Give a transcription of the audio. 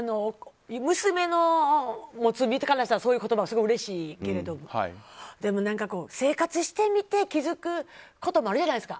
娘を持つ身からすればそういう言葉はすごくうれしいけれども生活してみて気づくこともあるじゃないですか。